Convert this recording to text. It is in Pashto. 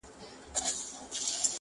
يوه ورځ پر اوداسه ناست پر گودر وو-